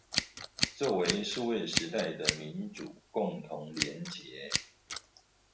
作為數位時代的民主共同連結